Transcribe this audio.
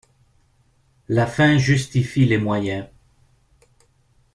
La fin justifie les moyens